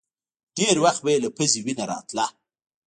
ډېر وخت به يې له پزې وينه راتله.